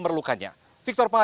rumah basah terdekat